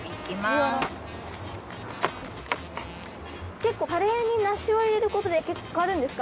結構カレーに梨を入れることで変わるんですか？